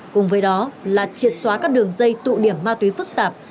cùng với đó là triệt xóa các đường dây tụ điểm ma túy phức tạp